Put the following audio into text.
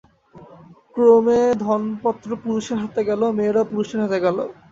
ক্রমে ধন-পত্র পুরুষের হাতে গেল, মেয়েরাও পুরুষের হাতে গেল।